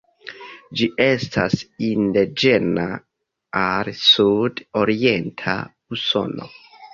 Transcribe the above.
Ĝi estas indiĝena al Sud-orienta Usono.